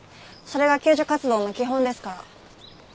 それが救助活動の基本ですから。